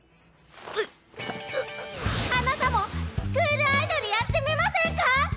あなたもスクールアイドルやってみませんか